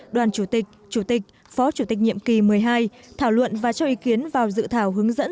đoàn chủ tịch chủ tịch phó chủ tịch nhiệm kỳ một mươi hai thảo luận và cho ý kiến vào dự thảo hướng dẫn